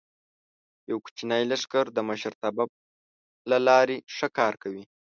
یو کوچنی لښکر د مشرتابه له لارې ښه کار کوي.